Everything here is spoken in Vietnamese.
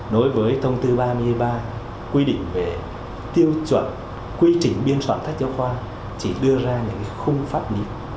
đối với thông tư ba mươi ba quy định về tiêu chuẩn quy trình biên soạn sách giáo khoa chỉ đưa ra những khung pháp nhịp